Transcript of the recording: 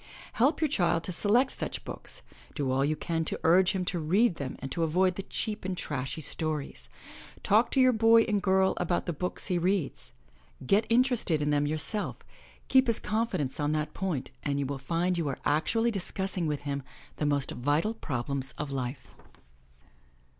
Help your child to select such books, do all you can to urge him to read them and to avoid the cheap and trashy stories. Talk to your boy or girl about the books he reads. Get interested in them yourself, keep his confidence on that point and you will find you are actually discussing with him the most vital problems of life.